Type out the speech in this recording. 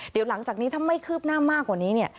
เดี๋ยวหลังจากนี้ถ้าไม่คืบหน้ามากกว่านี้เนี่ย